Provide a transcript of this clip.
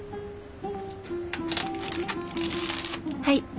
はい。